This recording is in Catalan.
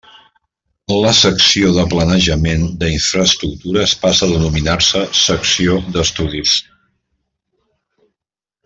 La Secció de Planejament d'Infraestructures passa a denominar-se Secció d'Estudis.